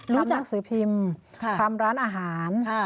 หนังสือพิมพ์ทำร้านอาหาร